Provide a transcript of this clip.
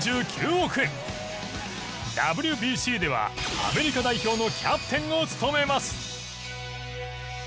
ＷＢＣではアメリカ代表のキャプテンを務めます。